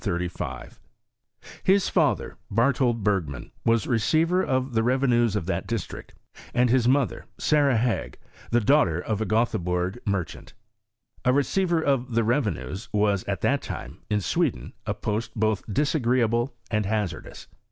Hia father, Barthold Bergman, was receiver of the re Tenues of that district, and his mother, Sara HUgg, the daughter of a Gotheborg merchant, A receiver of the revenues was at that time, in Sweden, a post both disagreeable and hazardous.